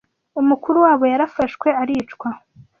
umukuru wabo yarafashwe aricwa